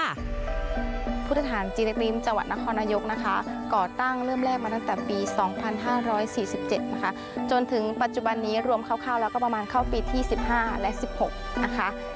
พุทธฐานจีริปริมจังหวัดนครนายกนะคะก่อตั้งเริ่มแรกมาตั้งแต่ปี๒๕๔๗นะคะจนถึงปัจจุบันนี้รวมคร่าวแล้วก็ประมาณเข้าปีที่๑๕และ๑๖นะคะ